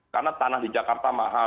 karena tanah di jakarta mahal